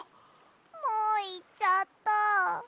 もういっちゃった。